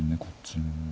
こっちも。